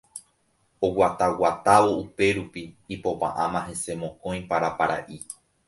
Oguataguatávo upérupi ipopa'ãma hese mokõi parapara'i